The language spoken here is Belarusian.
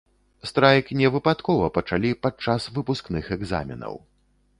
Страйк не выпадкова пачалі падчас выпускных экзаменаў.